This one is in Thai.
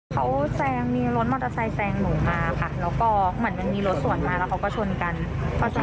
เขาแซงมีรถมอเตอร์ไซค์แซงหนูมาค่ะแล้วก็เหมือนมันมีรถสวนมาแล้วเขาก็ชนกัน